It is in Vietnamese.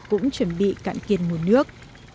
cũng chuẩn bị cạn kiên mùa nước